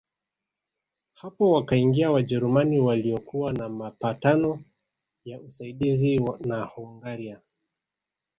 Hapo wakaingia Wajerumani waliokuwa na mapatano ya usaidizi na Hungaria